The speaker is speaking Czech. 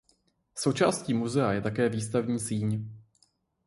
Součástí muzea je také výstavní síň.